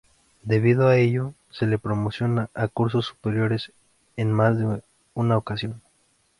Debido a ello, se le promocionó a cursos superiores en más de una ocasión.